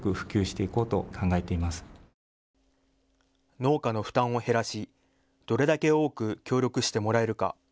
農家の負担を減らしどれだけ多く協力してもらえるか。